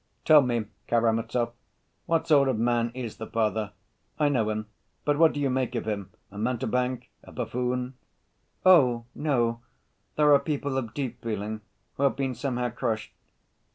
"Tell me, Karamazov, what sort of man is the father? I know him, but what do you make of him—a mountebank, a buffoon?" "Oh, no; there are people of deep feeling who have been somehow crushed.